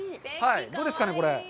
どうですかね、これ？